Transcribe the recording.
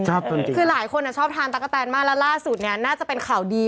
ชอบจริงคือหลายคนชอบทานตั๊กกะแตนมากและล่าสูตรนี้น่าจะเป็นข่าวดี